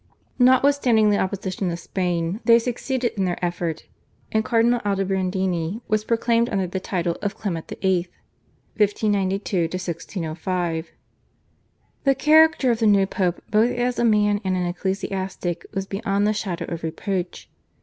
Notwithstanding the opposition of Spain they succeeded in their effort, and Cardinal Aldobrandini was proclaimed under the title of Clement VIII. (1592 1605). The character of the new Pope both as a man and an ecclesiastic was beyond the shadow of reproach.